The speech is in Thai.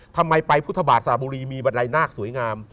ทำไมไปพุทธบาทสระบุรีมีบันไดนาคสวยงาม